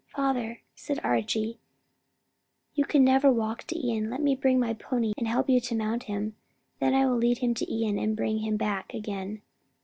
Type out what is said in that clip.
"Father," said Archie, "you can never walk to Ion; let me bring my pony and help you to mount him; then I will lead him to Ion and bring him back again."